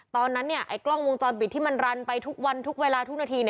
ตอนนั้นไอ้กล้องวงจรปิดที่มันรันไปทุกวันทุกเวลาทุกนาที